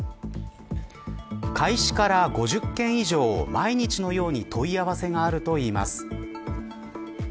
開始から５０件以上毎日のように問い合わせがあるといいます。